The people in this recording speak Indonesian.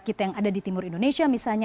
kita yang ada di timur indonesia misalnya